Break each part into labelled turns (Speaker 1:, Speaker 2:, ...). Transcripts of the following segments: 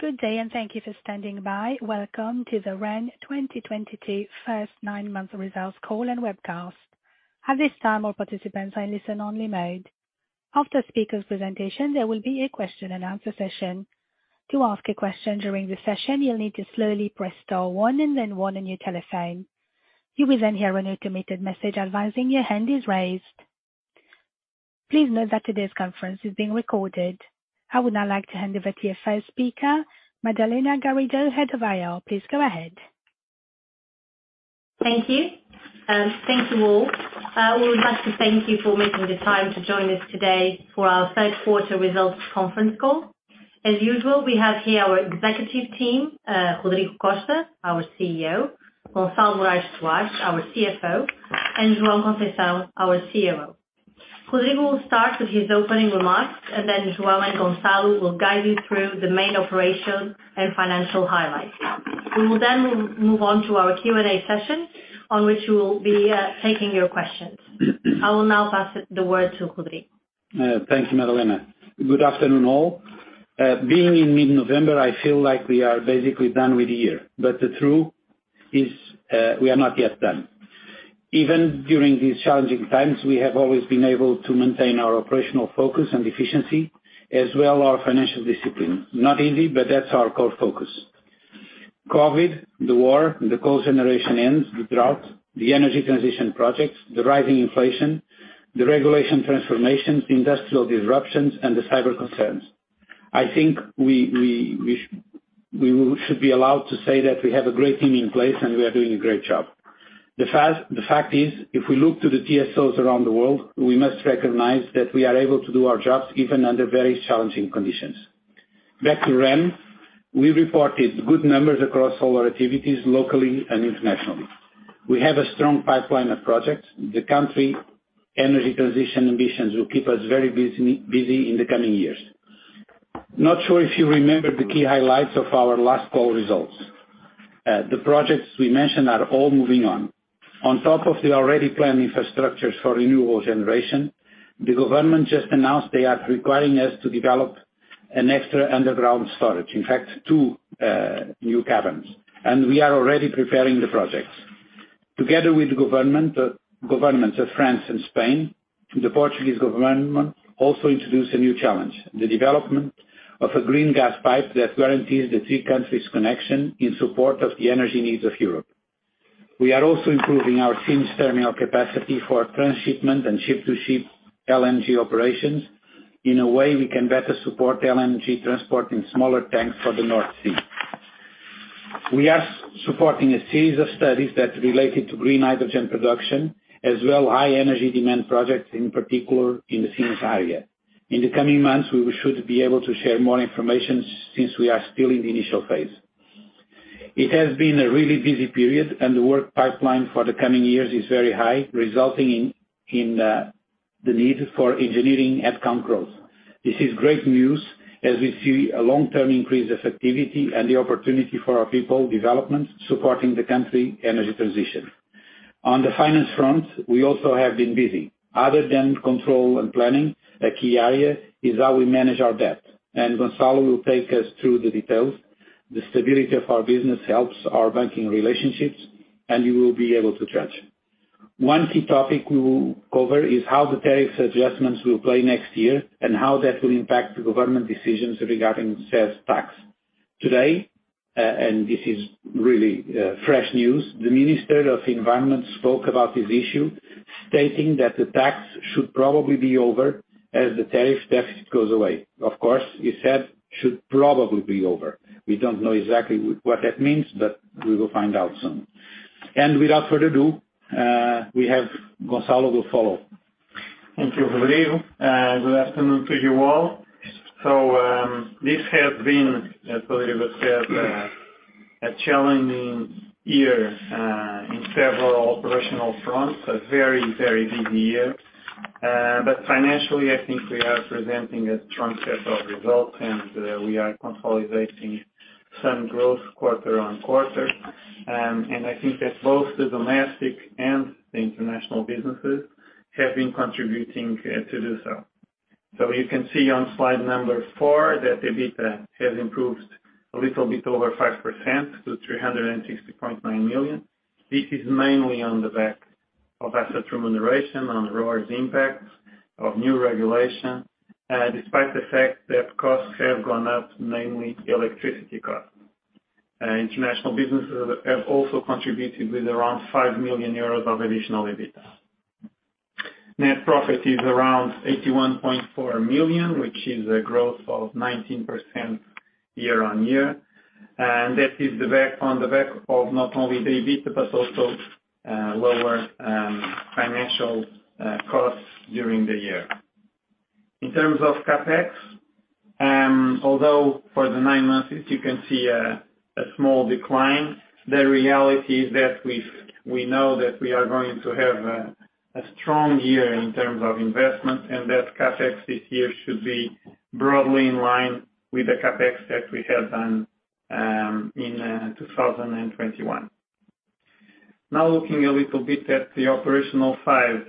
Speaker 1: Good day and thank you for standing by. Welcome to the REN 2022 first nine months results call and webcast. At this time, all participants are in listen only mode. After speaker's presentation, there will be a question-and-answer session. To ask a question during the session, you'll need to slowly press star one and then one on your telephone. You will then hear an automated message advising your hand is raised. Please note that today's conference is being recorded. I would now like to hand over to our first speaker, Madalena Garrido, Head of IR. Please go ahead.
Speaker 2: Thank you. Thank you all. We would like to thank you for making the time to join us today for our third quarter results conference call. As usual, we have here our executive team, Rodrigo Costa, our CEO, Gonçalo Morais Soares, our CFO, and João Conceição, our COO. Rodrigo will start with his opening remarks, and then João and Gonçalo will guide you through the main operations and financial highlights. We will then move on to our Q&A session, on which we will be taking your questions. I will now pass the word to Rodrigo.
Speaker 3: Thanks, Madalena. Good afternoon all. Being in mid-November, I feel like we are basically done with the year, but the truth is, we are not yet done. Even during these challenging times, we have always been able to maintain our operational focus and efficiency as well as our financial discipline. Not easy, but that's our core focus. COVID, the war, the coal generation ends, the drought, the energy transition projects, the rising inflation, the regulatory transformations, industrial disruptions and the cyber concerns. I think we should be allowed to say that we have a great team in place and we are doing a great job. The fact is, if we look to the TSOs around the world, we must recognize that we are able to do our jobs even under very challenging conditions. Back to REN, we reported good numbers across all our activities locally and internationally. We have a strong pipeline of projects. The country energy transition ambitions will keep us very busy in the coming years. Not sure if you remember the key highlights of our last call results. The projects we mentioned are all moving on. On top of the already planned infrastructures for renewable generation, the government just announced they are requiring us to develop an extra underground storage. In fact, two new caverns. We are already preparing the projects. Together with governments of France and Spain, the Portuguese government also introduced a new challenge, the development of a green gas pipe that guarantees the three countries connection in support of the energy needs of Europe. We are also improving our Sines terminal capacity for transshipment and ship-to-ship LNG operations in a way we can better support LNG transport in smaller tanks for the North Sea. We are supporting a series of studies that relate to green hydrogen production, as well as high energy demand projects, in particular in the Sines area. In the coming months, we should be able to share more information since we are still in the initial phase. It has been a really busy period, and the work pipeline for the coming years is very high, resulting in the need for engineering headcount growth. This is great news as we see a long-term increase of activity and the opportunity for our people developments supporting the country energy transition. On the finance front, we also have been busy. Other than control and planning, a key area is how we manage our debt, and Gonçalo will take us through the details. The stability of our business helps our banking relationships, and you will be able to judge. One key topic we will cover is how the tariffs adjustments will play next year and how that will impact the government decisions regarding sales tax. Today, this is really fresh news, the Minister of Environment spoke about this issue, stating that the tax should probably be over as the tariff deficit goes away. Of course, he said should probably be over. We don't know exactly what that means, but we will find out soon. Without further ado, we have Gonçalo will follow.
Speaker 4: Thank you, Rodrigo. Good afternoon to you all. This has been, as Rodrigo said, a challenging year in several operational fronts. A very, very busy year. Financially, I think we are presenting a strong set of results, and we are consolidating some growth quarter-on-quarter. I think that both the domestic and the international businesses have been contributing to this. You can see on slide number four that the EBITDA has improved a little bit over 5% to 360.9 million. This is mainly on the back of asset remuneration, on ROEs impacts of new regulation, despite the fact that costs have gone up, mainly electricity costs. International businesses have also contributed with around 5 million euros of additional EBITDA. Net profit is around 81.4 million, which is a growth of 19% year-on-year. That is on the back of not only the EBITDA, but also lower financial costs during the year. In terms of CapEx, although for the nine months you can see a small decline, the reality is that we know that we are going to have a strong year in terms of investment, and that CapEx this year should be broadly in line with the CapEx that we have done in 2021. Now looking a little bit at the operational side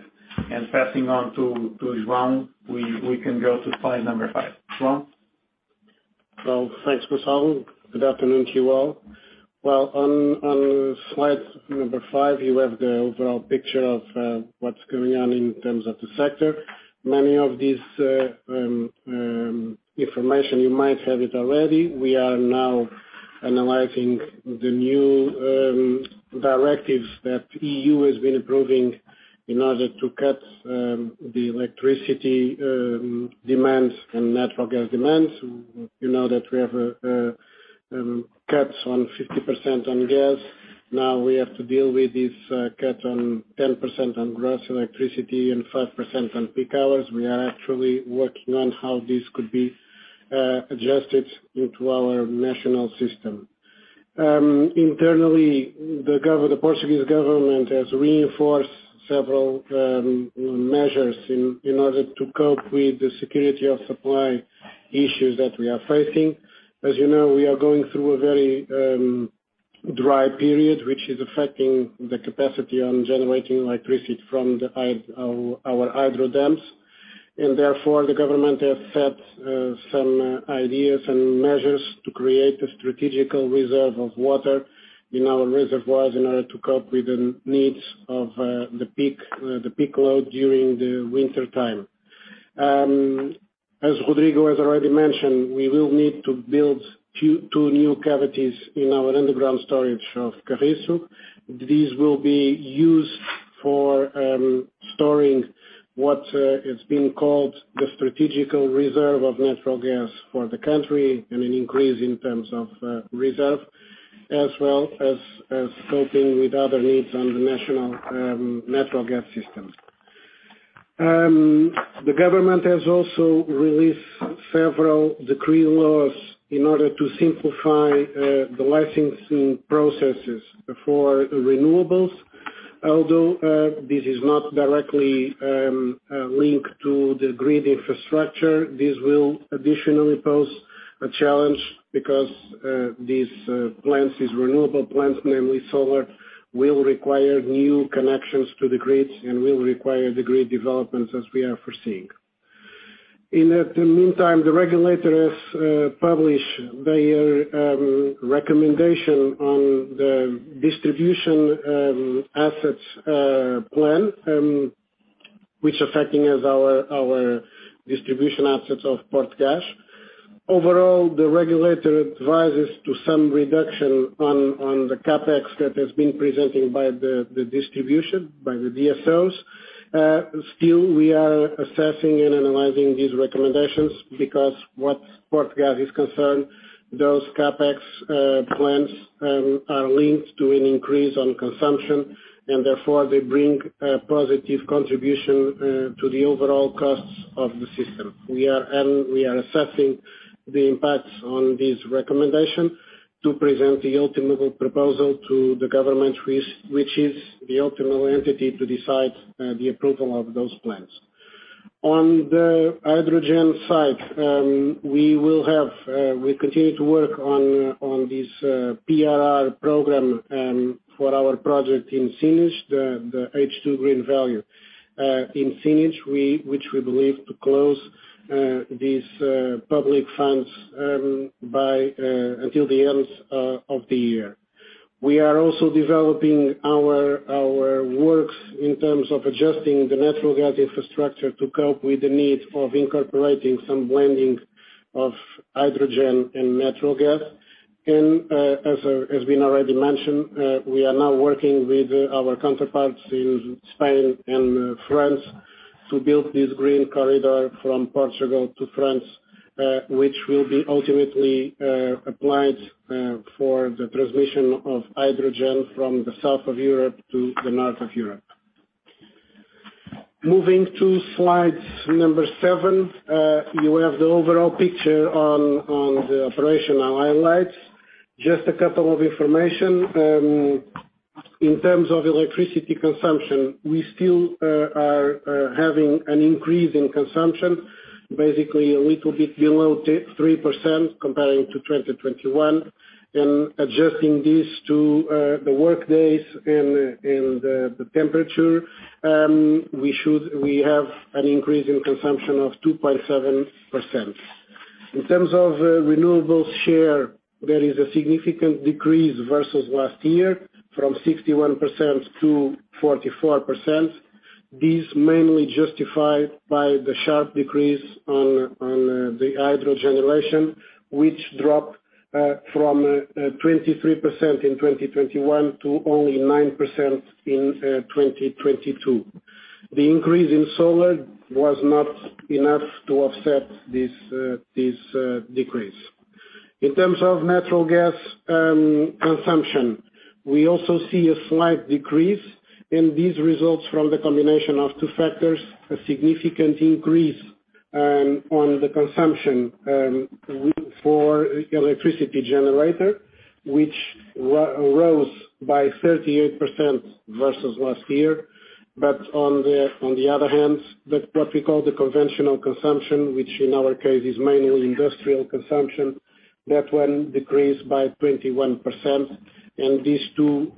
Speaker 4: and passing on to João, we can go to slide number five. João?
Speaker 5: Well, thanks, Gonçalo. Good afternoon to you all. Well, on slide number five, you have the overall picture of what's going on in terms of the sector. Many of these information, you might have it already. We are now analyzing the new directives that EU has been approving in order to cut the electricity demands and natural gas demands. You know that we have cuts on 50% on gas. Now we have to deal with this cut on 10% on gross electricity and 5% on peak hours. We are actually working on how this could be adjusted into our national system. Internally, the Portuguese government has reinforced several measures in order to cope with the security of supply issues that we are facing. As you know, we are going through a very dry period, which is affecting the capacity on generating electricity from our hydro dams, and therefore, the government has had some ideas and measures to create a strategic reserve of water in our reservoirs in order to cope with the needs of the peak load during the winter time. As Rodrigo has already mentioned, we will need to build two new cavities in our underground storage of Carriço. These will be used for storing what is being called the strategic reserve of natural gas for the country and an increase in terms of reserve, as well as coping with other needs on the national natural gas systems. The government has also released several decree laws in order to simplify the licensing processes for renewables. Although this is not directly linked to the grid infrastructure, this will additionally pose a challenge because these renewable plants, namely solar, will require new connections to the grids and will require the grid developments as we are foreseeing. In the meantime, the regulator has published their recommendation on the distribution assets plan, which affects our distribution assets of Portgás. Overall, the regulator advises some reduction on the CapEx that has been presented by the distribution by the DSOs. Still, we are assessing and analyzing these recommendations because what Portgás is concerned, those CapEx plans are linked to an increase on consumption, and therefore, they bring a positive contribution to the overall costs of the system. We are assessing the impacts on this recommendation to present the ultimate proposal to the government, which is the ultimate entity to decide the approval of those plans. On the hydrogen side, we continue to work on this PRR program for our project in Sines, the H2 Green Valley. In Sines, which we believe to close these public funds until the end of the year. We are also developing our works in terms of adjusting the natural gas infrastructure to cope with the need of incorporating some blending of hydrogen and natural gas. As has been already mentioned, we are now working with our counterparts in Spain and France to build this green corridor from Portugal to France, which will be ultimately applied for the transmission of hydrogen from the south of Europe to the north of Europe. Moving to slides number seven, you have the overall picture on the operational highlights. Just a couple of information. In terms of electricity consumption, we still are having an increase in consumption, basically a little bit below 3% comparing to 2021. Adjusting this to the work days and the temperature, we have an increase in consumption of 2.7%. In terms of renewables share, there is a significant decrease versus last year from 61% to 44%. This mainly justified by the sharp decrease on the hydro generation, which dropped from 23% in 2021 to only 9% in 2022. The increase in solar was not enough to offset this decrease. In terms of natural gas consumption, we also see a slight decrease, and this results from the combination of two factors, a significant increase on the consumption for electricity generator, which rose by 38% versus last year. On the other hand, what we call the conventional consumption, which in our case is mainly industrial consumption, that one decreased by 21%. These two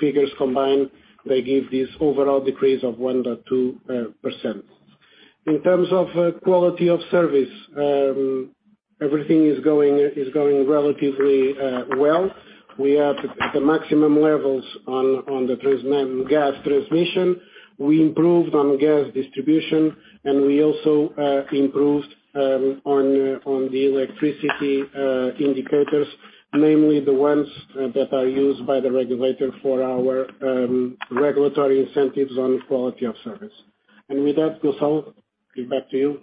Speaker 5: figures combined give this overall decrease of 1.2%. In terms of quality of service, everything is going relatively well. We have the maximum levels on the gas transmission. We improved on gas distribution, and we also improved on the electricity indicators, namely the ones that are used by the regulator for our regulatory incentives on quality of service. With that, Gonçalo Morais Soares, back to you.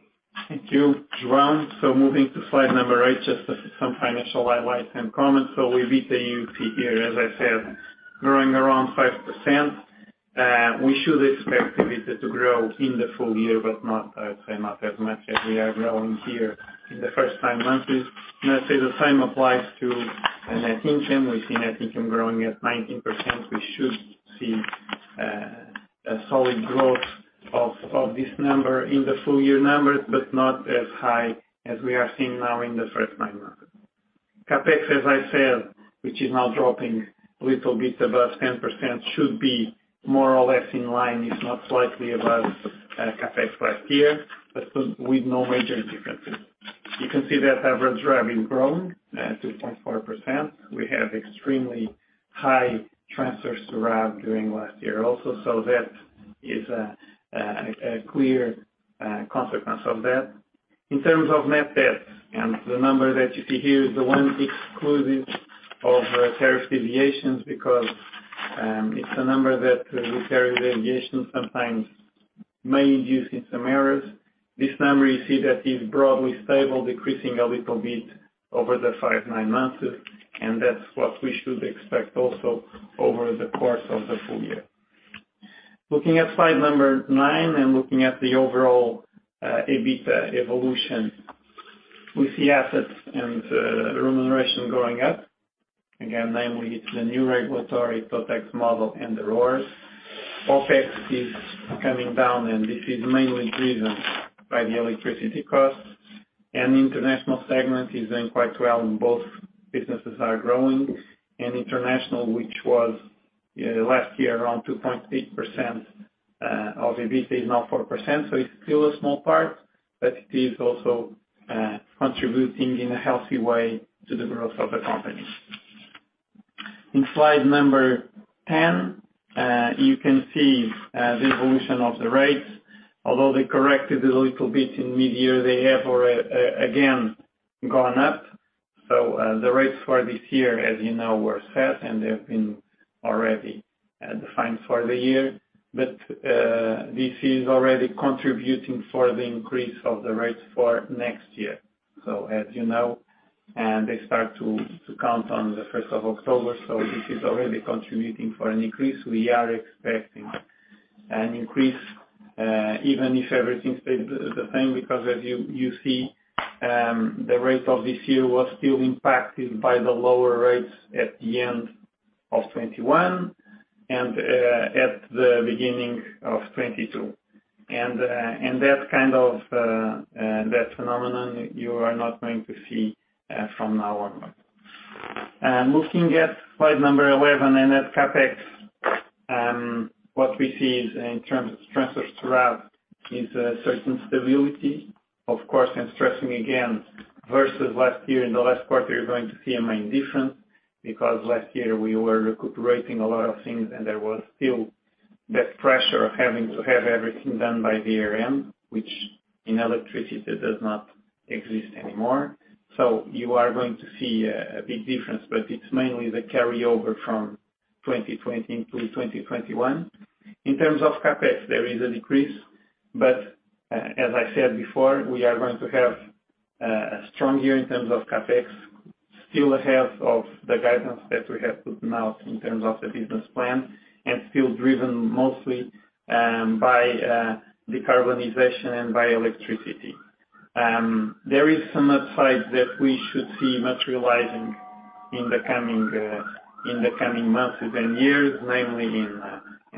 Speaker 4: Thank you, João. Moving to slide number eight, just some financial highlights and comments. We beat the EBITDA here, as I said, growing around 5%. We should expect EBITDA to grow in the full year, but not, I would say not as much as we are growing here in the first nine months. I'd say the same applies to net income. We see net income growing at 19%. We should see a solid growth of this number in the full year numbers, but not as high as we are seeing now in the first nine months. CapEx, as I said, which is now dropping a little bit above 10%, should be more or less in line, if not slightly above CapEx last year, but with no major differences. You can see that average revenue having grown 2.4%. We have extremely high transfers to RAV during last year also. That is a clear consequence of that. In terms of net debt, the number that you see here is the one exclusive of tariff deviations, because it's a number that tariff deviations sometimes may induce in some errors. This number you see that is broadly stable, decreasing a little bit over the first nine months, and that's what we should expect also over the course of the full year. Looking at slide number nine and looking at the overall EBITDA evolution, we see assets and remuneration going up. Again, namely it's the new regulatory TOTEX model and the ROEs. OpEx is coming down, and this is mainly driven by the electricity costs. International segment is doing quite well, and both businesses are growing. International, which was last year around 2.8% of EBITDA, is now 4%, so it's still a small part, but it is also contributing in a healthy way to the growth of the company. In slide number 10, you can see the evolution of the rates. Although they corrected a little bit in mid-year, they have again gone up. The rates for this year, as you know, were set, and they've been already defined for the year. This is already contributing for the increase of the rates for next year. As you know, and they start to count on the first of October, so this is already contributing for an increase. We are expecting an increase, even if everything stayed the same, because as you see, the rate of this year was still impacted by the lower rates at the end of 2021 and that kind of phenomenon you are not going to see from now onward. Looking at slide number 11 and at CapEx, what we see is in terms of transfers to RAV is a certain stability. Of course, stressing again, versus last year in the last quarter, you are going to see a main difference because last year we were recuperating a lot of things and there was still that pressure of having to have everything done by DRM, which in electricity does not exist anymore. You are going to see a big difference, but it's mainly the carryover from 2020 into 2021. In terms of CapEx, there is a decrease, but as I said before, we are going to have a strong year in terms of CapEx, still ahead of the guidance that we have put now in terms of the business plan, and still driven mostly by decarbonization and by electricity. There is some upside that we should see materializing in the coming months and years, namely in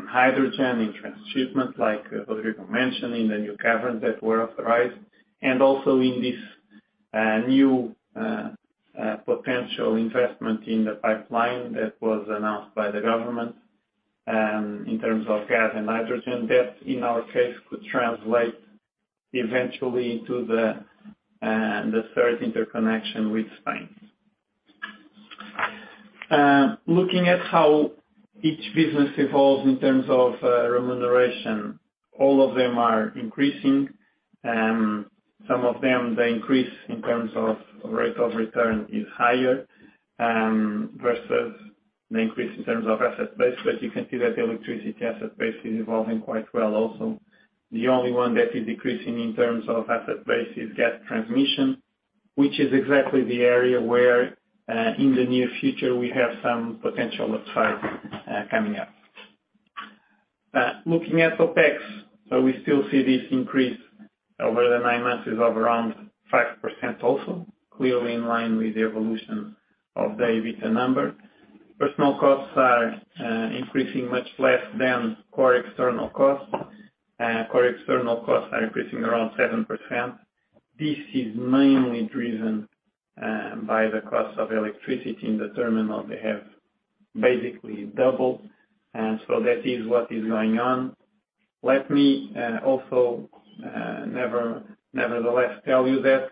Speaker 4: hydrogen, in transshipment, like Rodrigo mentioned, in the new caverns that were authorized, and also in this new potential investment in the pipeline that was announced by the government, in terms of gas and hydrogen. That, in our case, could translate eventually into the third interconnection with Spain. Looking at how each business evolves in terms of remuneration, all of them are increasing. Some of them, the increase in terms of rate of return is higher versus the increase in terms of asset base. You can see that the electricity asset base is evolving quite well also. The only one that is decreasing in terms of asset base is gas transmission, which is exactly the area where in the near future, we have some potential upside coming up. Looking at OpEx, we still see this increase over the nine months is of around 5% also, clearly in line with the evolution of the EBITDA number. Personal costs are increasing much less than core external costs. Core external costs are increasing around 7%. This is mainly driven by the cost of electricity in the terminal they have basically doubled. That is what is going on. Let me also nevertheless tell you that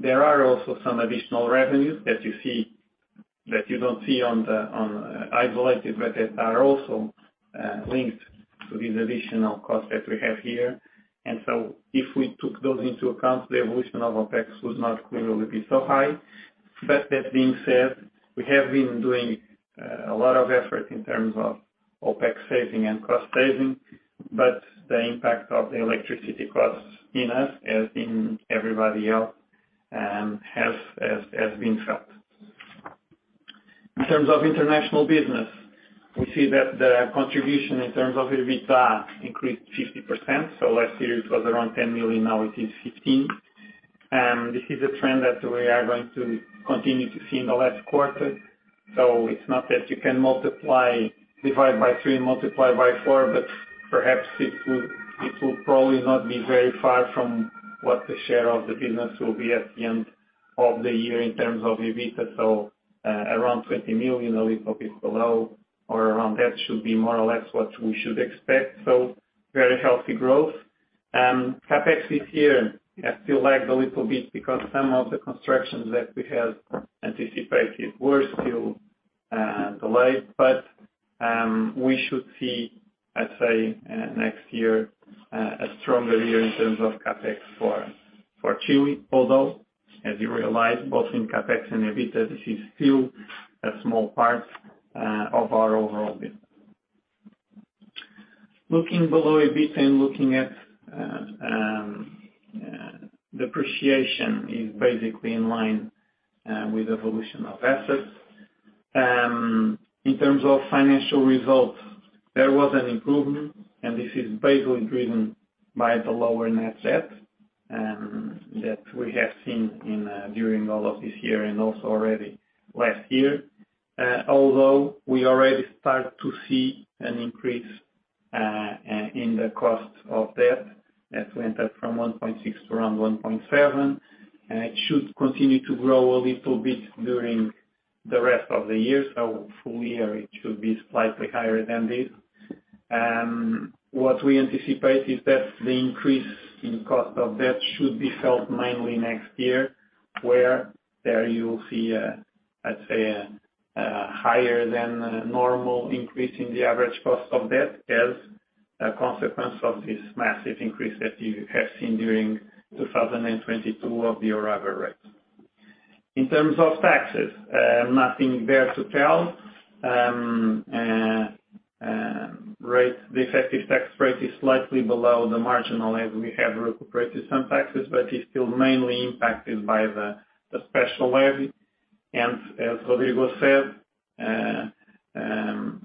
Speaker 4: there are also some additional revenues that you don't see on the isolated, but that are also linked to these additional costs that we have here. If we took those into account, the evolution of OpEx would not clearly be so high. That being said, we have been doing a lot of effort in terms of OpEx saving and cost saving, but the impact of the electricity costs in us, as in everybody else, has been felt. In terms of international business, we see that the contribution in terms of EBITDA increased 50%. Last year it was around 10 million, now it is 15 million. This is a trend that we are going to continue to see in the last quarter. It's not that you can multiply, divide by three and multiply by four, but perhaps it will probably not be very far from what the share of the business will be at the end of the year in terms of EBITDA. Around 20 million, a little bit below or around that should be more or less what we should expect. Very healthy growth. CapEx this year has still lagged a little bit because some of the constructions that we had anticipated were still delayed. We should see, I'd say, next year a stronger year in terms of CapEx for Chile, although as you realize, both in CapEx and EBITDA, this is still a small part of our overall business. Looking below EBITDA and looking at depreciation is basically in line with evolution of assets. In terms of financial results, there was an improvement, and this is basically driven by the lower net debt that we have seen in during all of this year and also already last year. Although we already start to see an increase in the costs of debt that went up from 1.6% to around 1.7%. It should continue to grow a little bit during the rest of the year, so hopefully it should be slightly higher than this. What we anticipate is that the increase in cost of debt should be felt mainly next year, where there you'll see, I'd say, a higher than normal increase in the average cost of debt as a consequence of this massive increase that you have seen during 2022 of the Euribor rates. In terms of taxes, nothing there to tell. The effective tax rate is slightly below the marginal as we have recuperated some taxes, but it's still mainly impacted by the special levy. As Rodrigo said,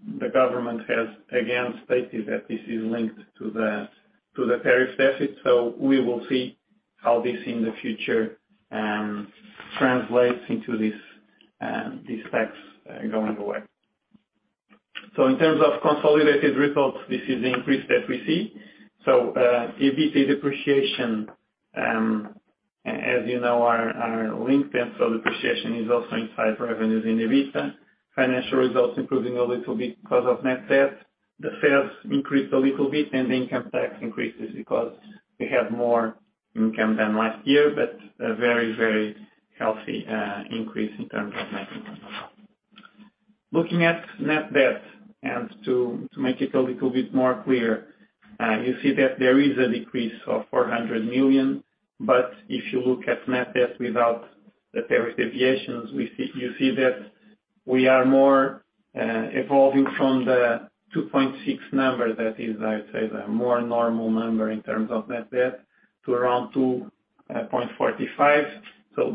Speaker 4: the government has again stated that this is linked to the tariff deficit, so we will see how this in the future translates into this tax going away. In terms of consolidated results, this is the increase that we see. EBITDA depreciation, as you know, are linked, and depreciation is also inside revenues in EBITDA. Financial results improving a little bit because of net debt. The sales increased a little bit, and the income tax increases because we have more income than last year, but a very, very healthy increase in terms of net income. Looking at net debt, and to make it a little bit more clear, you see that there is a decrease of 400 million. But if you look at net debt without the tariff deviations, you see that we are more evolving from the 2.6 number that is, I'd say, the more normal number in terms of net debt to around 2.45.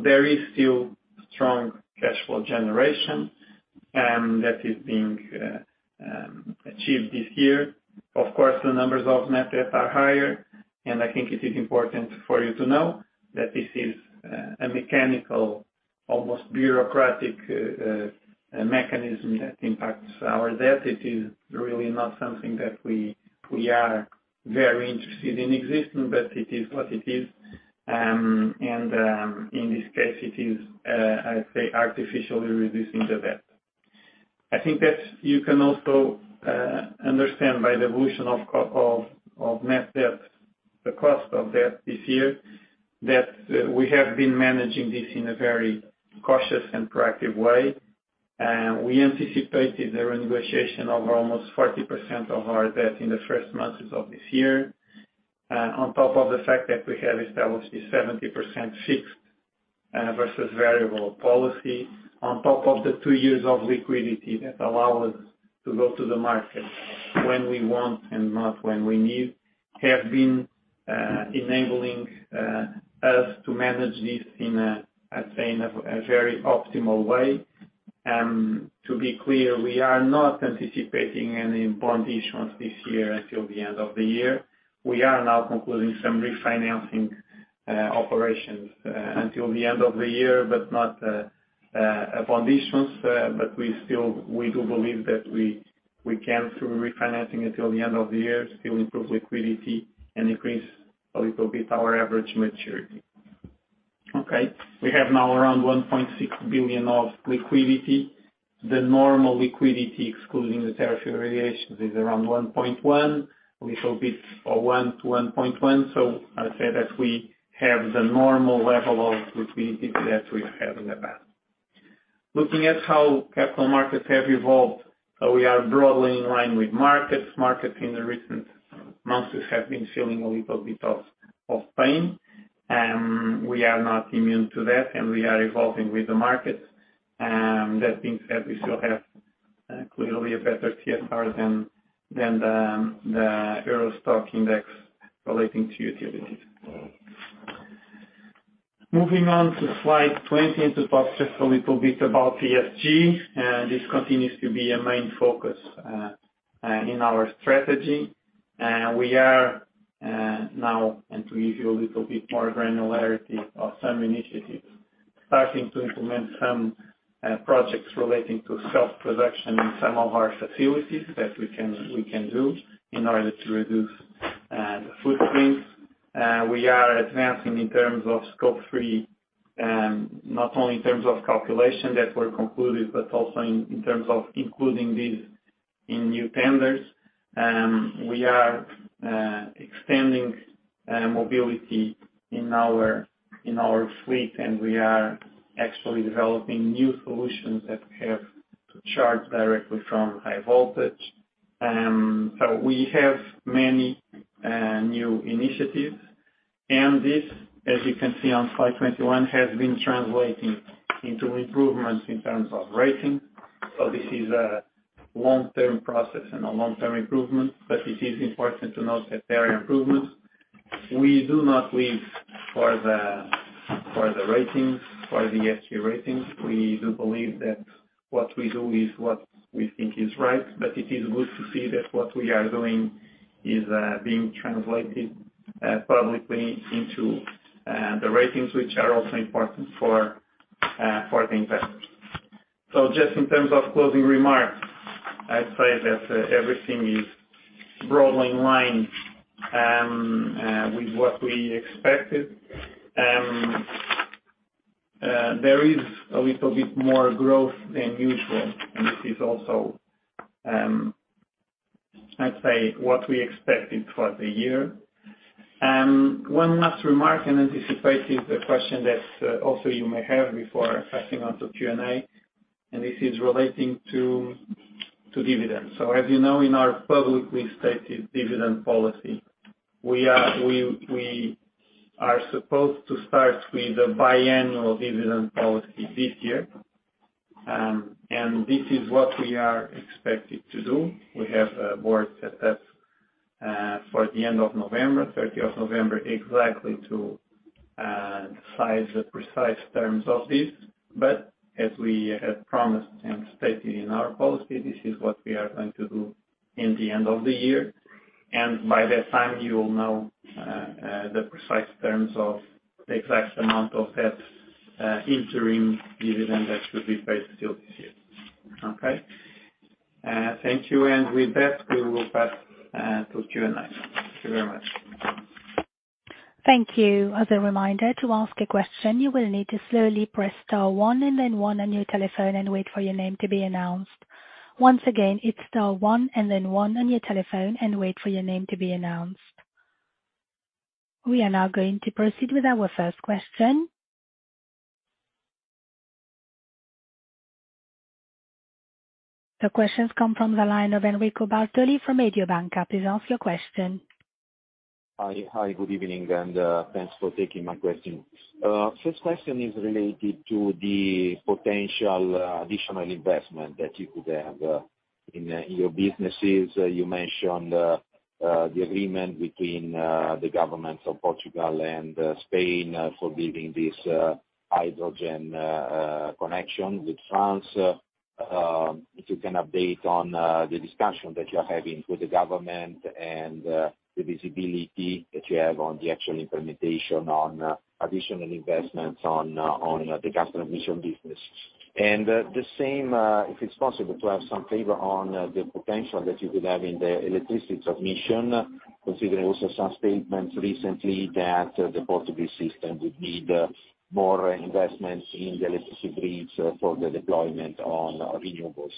Speaker 4: There is still strong cash flow generation that is being achieved this year. Of course, the numbers of net debt are higher, and I think it is important for you to know that this is a mechanical, almost bureaucratic, mechanism that impacts our debt. It is really not something that we are very interested in existing, but it is what it is. In this case it is, I'd say, artificially reducing the debt. I think that you can also understand by the evolution of net debt, the cost of debt this year, that we have been managing this in a very cautious and proactive way. We anticipated the renegotiation of almost 40% of our debt in the first months of this year. On top of the fact that we have established a 70% fixed versus variable policy, on top of the two years of liquidity that allow us to go to the market when we want and not when we need, have been enabling us to manage this in a, I'd say, very optimal way. To be clear, we are not anticipating any bond issuance this year until the end of the year. We are now concluding some refinancing operations until the end of the year, but not a bond issuance. We still do believe that we can, through refinancing until the end of the year, still improve liquidity and increase a little bit our average maturity. We have now around 1.6 billion of liquidity. The normal liquidity, excluding the tariff variations, is around 1.1, a little bit of one to 1.1. I'd say that we have the normal level of liquidity that we have in the bank. Looking at how capital markets have evolved, we are broadly in line with markets. Markets in the recent months have been feeling a little bit of pain. We are not immune to that, and we are evolving with the markets. That being said, we still have clearly a better TSR than the EURO STOXX index relating to utilities. Moving on to slide 20, and to talk just a little bit about ESG, and this continues to be a main focus in our strategy. We are now to give you a little bit more granularity of some initiatives, starting to implement some projects relating to self-production in some of our facilities that we can do in order to reduce the footprints. We are advancing in terms of Scope 3, not only in terms of calculation that were concluded, but also in terms of including these in new tenders. We are expanding mobility in our fleet, and we are actually developing new solutions that have to charge directly from high voltage. We have many new initiatives, and this, as you can see on slide 21, has been translating into improvements in terms of rating. This is a long-term process and a long-term improvement, but it is important to note that there are improvements. We do not live for the ratings, for the ESG ratings. We do believe that what we do is what we think is right, but it is good to see that what we are doing is being translated publicly into the ratings, which are also important for the investors. Just in terms of closing remarks, I'd say that everything is broadly in line with what we expected. There is a little bit more growth than usual, and this is also, I'd say, what we expected for the year. One last remark, and anticipating the question that also you may have before passing on to Q&A, and this is relating to dividends. As you know, in our publicly stated dividend policy, we are supposed to start with a biannual dividend policy this year. This is what we are expected to do. We have a board set up for the end of November, 30 November, exactly to decide the precise terms of this. As we have promised and stated in our policy, this is what we are going to do in the end of the year. By that time, you will know the precise terms of the exact amount of that interim dividend that should be paid still this year. Okay. Thank you, and with that, we will pass to Q&A. Thank you very much.
Speaker 1: Thank you. As a reminder, to ask a question, you will need to slowly press star one and then one on your telephone and wait for your name to be announced. Once again, it's star one and then one on your telephone and wait for your name to be announced. We are now going to proceed with our first question. The questions come from the line of Enrico Bartoli from Mediobanca. Please ask your question.
Speaker 6: Hi, good evening, and thanks for taking my question. First question is related to the potential additional investment that you could have in your businesses. You mentioned the agreement between the governments of Portugal and Spain for building this hydrogen connection with France. If you can update on the discussion that you're having with the government and the visibility that you have on the actual implementation of additional investments in the gas transmission business. The same, if it's possible to have some flavor on the potential that you could have in the electricity transmission, considering also some statements recently that the Portuguese system would need more investments in the electricity grids for the deployment of renewables.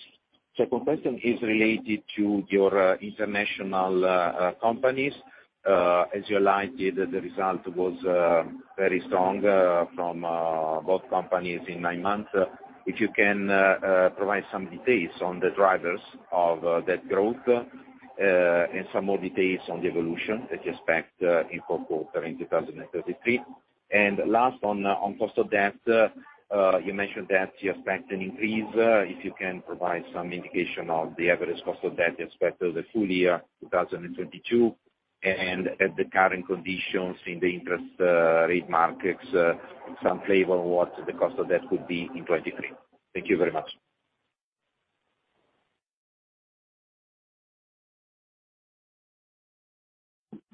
Speaker 6: Second question is related to your international companies. As you highlighted, the result was very strong from both companies in nine months. If you can provide some details on the drivers of that growth, and some more details on the evolution that you expect per quarter in 2023. Last on cost of debt, you mentioned that you expect an increase. If you can provide some indication of the average cost of debt expected for the full year 2022, and at the current conditions in the interest rate markets, some flavor on what the cost of debt would be in 2023. Thank you very much.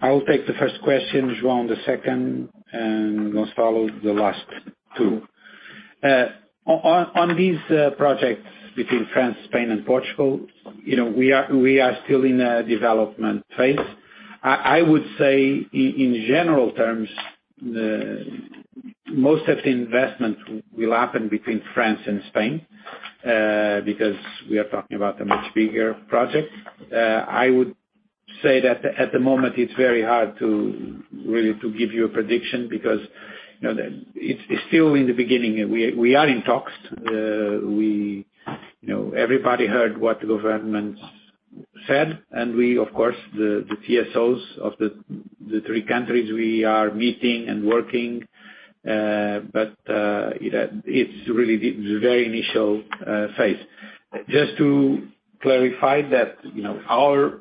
Speaker 3: I will take the first question, João the second, and Gonçalo the last two. On these projects between France, Spain and Portugal, you know, we are still in a development phase. I would say in general terms, most of the investment will happen between France and Spain, because we are talking about a much bigger project. I would say that at the moment it's very hard to really give you a prediction because, you know, it's still in the beginning. We are in talks. You know, everybody heard what the governments said, and we of course the TSOs of the three countries are meeting and working, but it's really the very initial phase. Just to clarify that, you know, our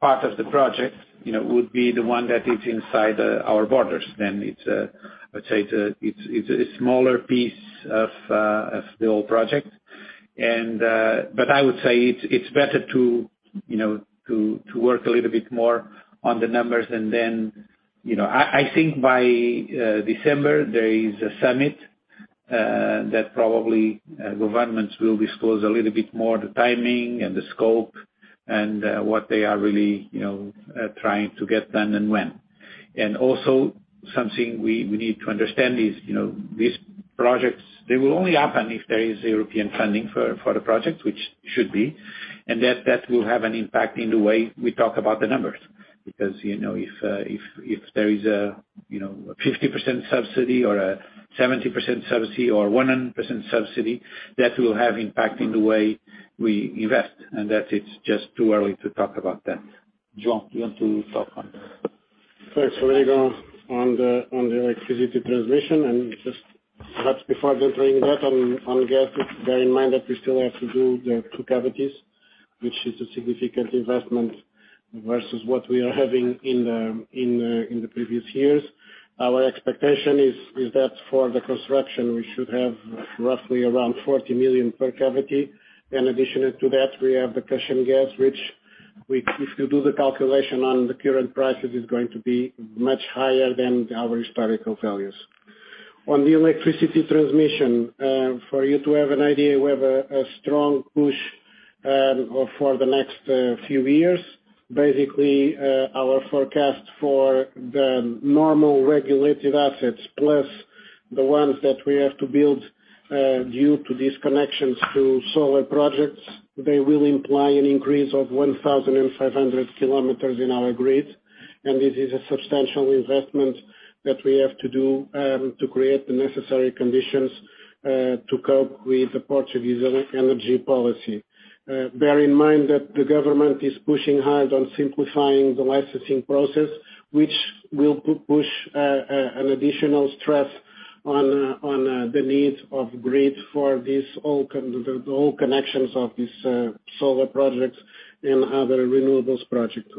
Speaker 3: part of the project, you know, would be the one that is inside our borders, then it's, let's say it's a smaller piece of the whole project. I would say it's better to, you know, work a little bit more on the numbers and then, you know. I think by December there is a summit that probably governments will disclose a little bit more the timing and the scope and what they are really, you know, trying to get done and when. Something we need to understand is, you know, these projects, they will only happen if there is European funding for the project, which should be. That will have an impact in the way we talk about the numbers. Because, you know, if there is a, you know, a 50% subsidy or a 70% subsidy or 100% subsidy, that will have impact in the way we invest, and that it's just too early to talk about that. João, do you want to talk on this?
Speaker 5: Thanks, Rodrigo. On the electricity transmission and just perhaps before entering that on gas, bear in mind that we still have to do the two cavities, which is a significant investment versus what we are having in the previous years. Our expectation is that for the construction we should have roughly around 40 million per cavity. In addition to that, we have the cushion gas, which, if you do the calculation on the current prices, is going to be much higher than our historical values. On the electricity transmission, for you to have an idea, we have a strong push for the next few years. Basically, our forecast for the normal regulated assets, plus the ones that we have to build, due to these connections to solar projects, they will imply an increase of 1,500 kilometers in our grid. This is a substantial investment that we have to do, to create the necessary conditions, to cope with the Portuguese energy policy. Bear in mind that the government is pushing hard on simplifying the licensing process, which will push an additional stress on the needs of the grid for the whole connections of these solar projects and other renewables projects.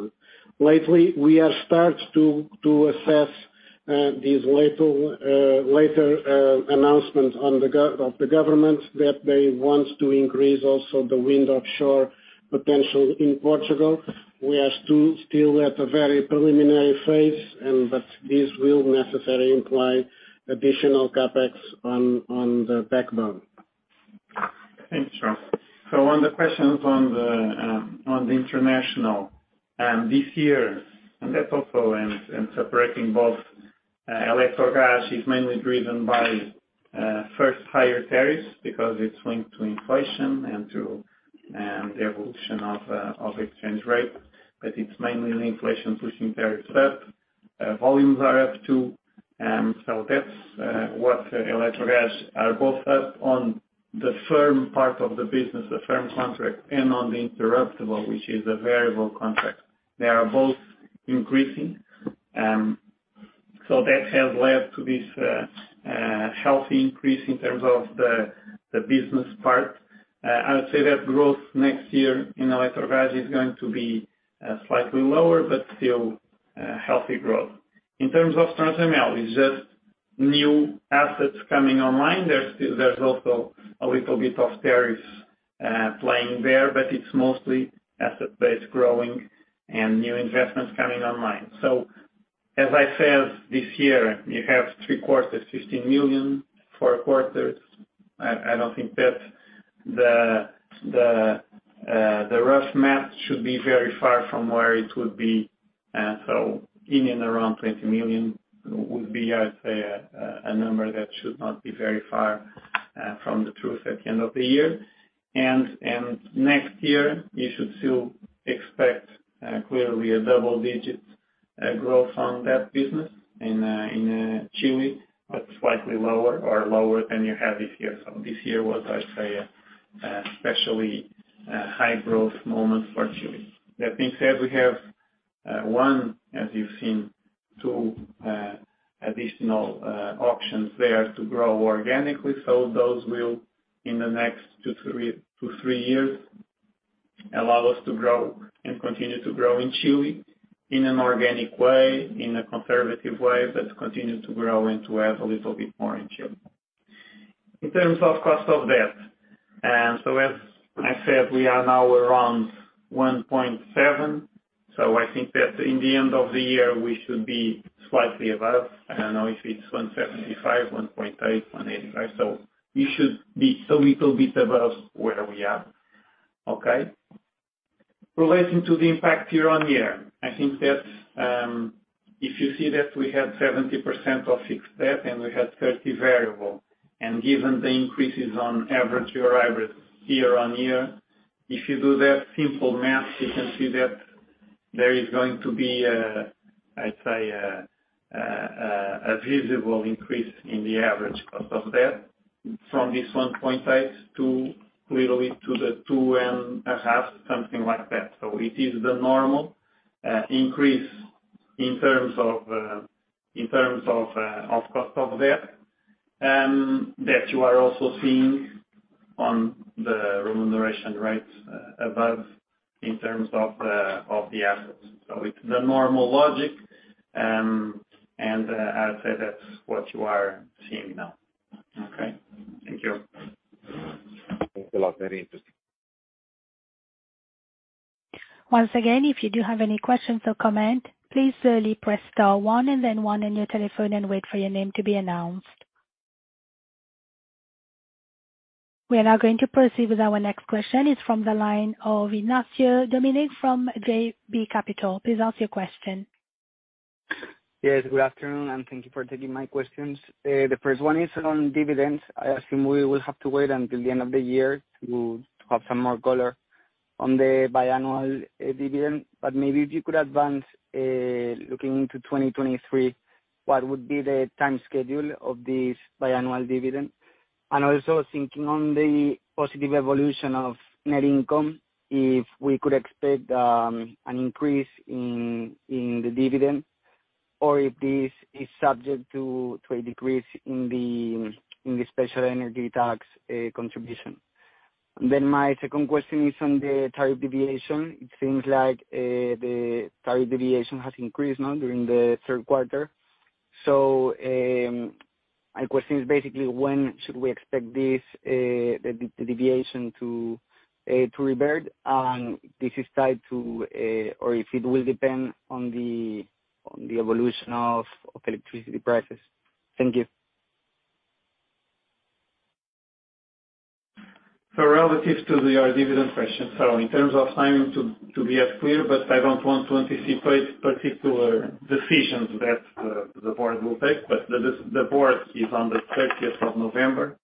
Speaker 5: Lately, we have started to assess these later announcements of the government that they want to increase also the offshore wind potential in Portugal. We are still at a very preliminary phase, but this will necessarily imply additional CapEx on the backbone.
Speaker 4: Thanks, João. On the questions on the international this year, that's also separating both. Electrogas is mainly driven by first higher tariffs because it's linked to inflation and to the evolution of exchange rate, but it's mainly the inflation pushing tariffs up. Volumes are up too. So that's what Electrogas are both up on the firm part of the business, the firm contract and on the interruptible, which is a variable contract. They are both increasing. So that has led to this healthy increase in terms of the business part. I would say that growth next year in Electrogas is going to be slightly lower but still healthy growth. In terms of Transemel, it's just new assets coming online. There's also a little bit of tariffs playing there, but it's mostly asset base growing and new investments coming online. As I said, this year, you have three quarters, 50 million, four quarters. I don't think that the rough math should be very far from where it would be. In and around 20 million would be, I'd say a number that should not be very far from the truth at the end of the year. Next year, you should still expect clearly a double digit growth on that business in Chile, but slightly lower or lower than you had this year. This year was, I'd say especially a high growth moment for Chile. That being said, we have, as you've seen, two additional options there to grow organically. Those will, in the next 2-3 years, allow us to grow and continue to grow in Chile in an organic way, in a conservative way, but continue to grow and to have a little bit more in Chile. In terms of cost of debt, as I said, we are now around 1.7%. I think that in the end of the year, we should be slightly above. I don't know if it's 1.75%, 1.8%, 1.85%. We should be a little bit above where we are. Okay? Relating to the impact year-over-year, I think that, if you see that we have 70% of fixed debt and we have 30% variable, and given the increases on average Euribor year-over-year, if you do that simple math, you can see that there is going to be a, I'd say a visible increase in the average cost of debt from this 1.8% to clearly to the 2.5%, something like that. It is the normal increase in terms of cost of debt that you are also seeing on the remuneration rates above in terms of the assets. It's the normal logic, and I'd say that's what you are seeing now.
Speaker 6: Okay. Thank you. Thanks a lot. Very interesting.
Speaker 1: Once again, if you do have any questions or comment, please solely press star one and then one on your telephone and wait for your name to be announced. We are now going to proceed with our next question. It's from the line of Ignacio Doménech from JB Capital. Please ask your question.
Speaker 7: Yes, good afternoon, and thank you for taking my questions. The first one is on dividends. I assume we will have to wait until the end of the year to have some more color on the biannual dividend. Maybe if you could advance looking into 2023, what would be the time schedule of this biannual dividend? Also thinking on the positive evolution of net income, if we could expect an increase in the dividend or if this is subject to a decrease in the special energy tax contribution. My second question is on the tariff deviation. It seems like the tariff deviation has increased now during the third quarter. My question is basically when should we expect this deviation to revert? This is tied to, or if it will depend on the evolution of electricity prices. Thank you.
Speaker 4: Relative to the dividend question. In terms of timing to be as clear, but I don't want to anticipate particular decisions that the board will take. The board is on the thirtieth of November,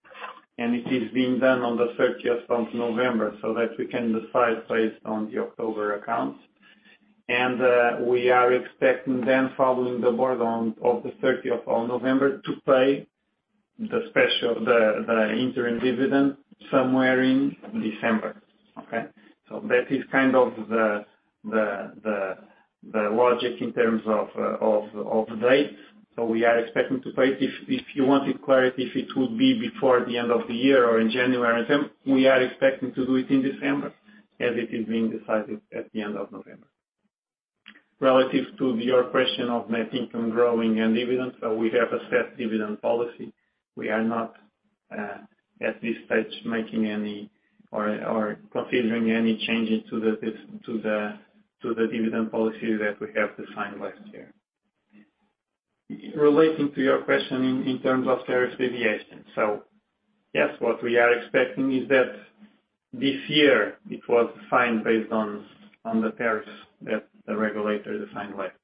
Speaker 4: and it is being done on the thirtieth of November so that we can decide based on the October accounts. We are expecting then following the board on the thirtieth of November to pay the special, the interim dividend somewhere in December. Okay. That is kind of the logic in terms of the date. We are expecting to pay it. If you wanted clarity, if it would be before the end of the year or in January, we are expecting to do it in December as it is being decided at the end of November. Relative to your question of net income growing and dividends, we have a set dividend policy. We are not at this stage making any or considering any changes to the dividend policy that we have defined last year. Relating to your question in terms of tariffs deviation. Yes, what we are expecting is that this year it was defined based on the tariffs that the regulator defined last year.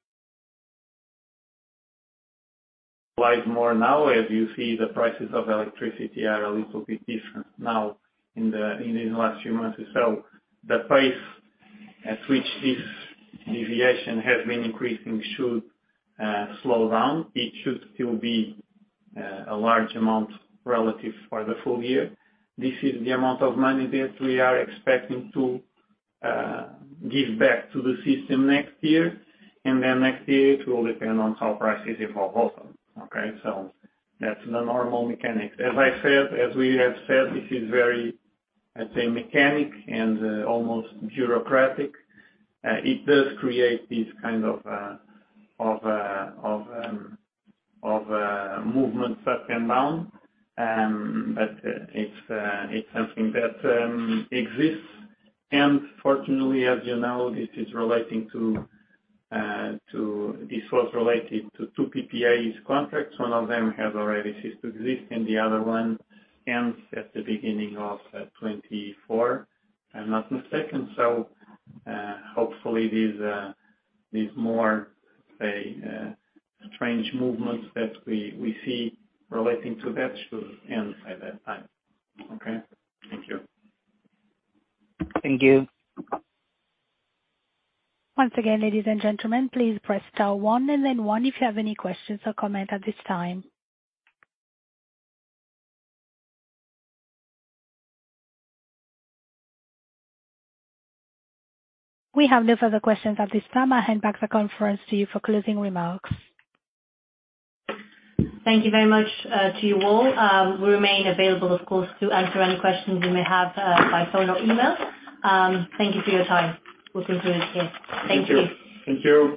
Speaker 4: It applies more now as you see the prices of electricity are a little bit different now in these last few months. The pace at which this deviation has been increasing should slow down. It should still be a large amount relative for the full year. This is the amount of money that we are expecting to give back to the system next year, and then next year it will depend on how prices evolve. Okay. That's the normal mechanics. As I said, as we have said, this is very, I'd say, mechanical and almost bureaucratic. It does create these kind of movements up and down, but it's something that exists. Fortunately, as you know, this is relating to this was related to two PPAs contracts. One of them has already ceased to exist, and the other one ends at the beginning of 2024 and not in the second. Hopefully, these more, say, strange movements that we see relating to that should end by that time.
Speaker 7: Okay. Thank you. Thank you.
Speaker 1: Once again, ladies and gentlemen, please press star one and then one if you have any questions or comment at this time. We have no further questions at this time. I hand back the conference to you for closing remarks.
Speaker 2: Thank you very much to you all. We remain available of course to answer any questions you may have by phone or email. Thank you for your time. We'll continue here. Thank you.
Speaker 4: Thank you.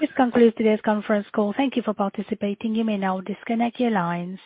Speaker 1: This concludes today's conference call. Thank you for participating. You may now disconnect your lines.